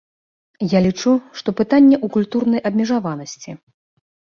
Я лічу, што пытанне ў культурнай абмежаванасці.